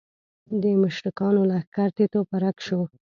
د مشرکانو لښکر تیت و پرک شو.